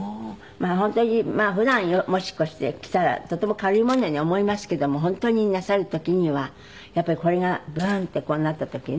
まあ本当に普段もしこうして着たらとても軽いもののように思いますけども本当になさる時にはやっぱりこれがブンッてこうなった時ね